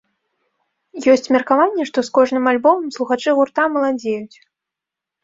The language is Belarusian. Ёсць меркаванне, што з кожным альбомам слухачы гурта маладзеюць.